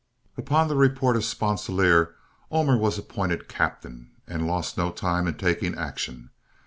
Upon the report of Sponsilier, Ullmer was appointed captain, and lost no time in taking action.